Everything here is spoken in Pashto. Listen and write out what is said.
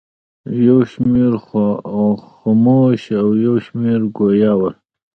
یو شمېر خموش او یو شمېر ګویا ول.